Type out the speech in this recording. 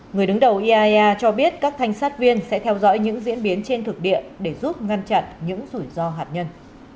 người đứng đầu iaea cho biết các thanh sát viên sẽ theo dõi những diễn biến trên thực địa để giúp ngăn chặn những rủi ro hạt nhân